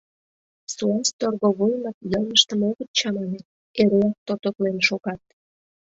Суас торговоймыт йылмыштым огыт чамане, эреак тототлен шогат.